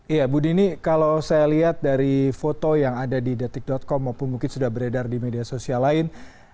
iya bu dini kalau saya lihat dari foto yang ada di detik com maupun mungkin sudah beredar di media sosial lain